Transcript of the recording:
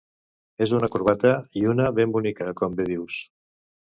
És un corbata, i una ben bonica, com bé dius.